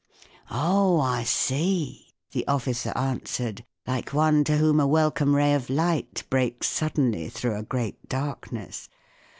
" Oh, I see," the officer answered, like one to whom a welcome ray of light breaks suddenly through a great darkness.